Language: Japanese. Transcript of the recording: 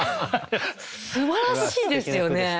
すばらしいですよね。